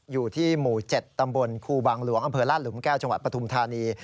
อยู่ที่หมู่๗ตำบลคูบางหลวงอลแก้วปฐุมธานี